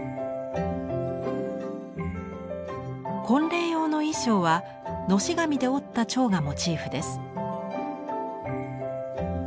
婚礼用の衣装は熨斗紙で折った蝶がモチーフです。